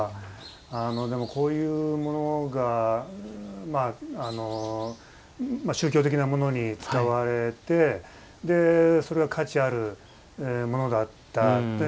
でも、こういうものが宗教的なものに使われてそれを価値あるものだったと。